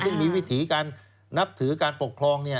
ซึ่งมีวิถีการนับถือการปกครอง